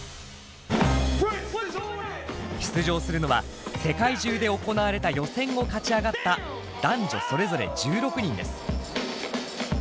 出場するのは世界中で行われた予選を勝ち上がった男女それぞれ１６人です。